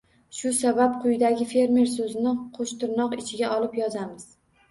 Shu sabab quyida «fermer» so‘zini qo‘shtirnoq ichiga olib yozamiz.